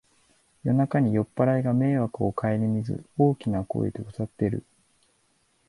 夜中に酔っぱらいが迷惑をかえりみず大きな声で歌ってる